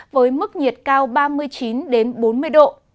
với mức nhiệt cao ba mươi chín bốn mươi độ